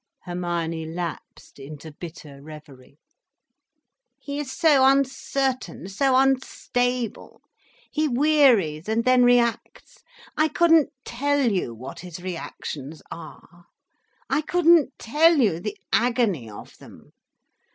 Hermione lapsed into bitter reverie. "He is so uncertain, so unstable—he wearies, and then reacts. I couldn't tell you what his reactions are. I couldn't tell you the agony of them.